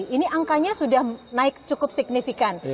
ini angkanya sudah naik cukup signifikan